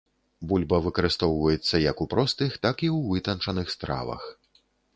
Бульба выкарыстоўваецца як у простых, так і ў вытанчаных стравах.